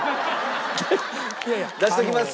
出しときます。